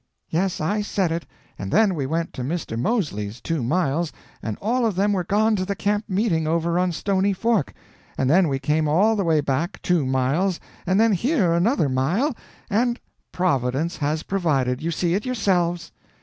"Yes, I said it. And then we went to Mr. Moseley's, two miles, and all of them were gone to the camp meeting over on Stony Fork; and then we came all the way back, two miles, and then here, another mile and Providence has provided. You see it yourselves."